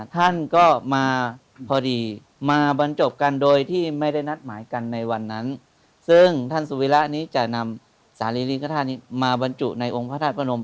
ท่านก็มาพอดีมาบรรจบกันโดยที่ไม่ได้นัดหมายกันในวันนั้นซึ่งท่านสุวิระนี้จะนำสารีริกฐาตุนี้มาบรรจุในองค์พระธาตุพระนม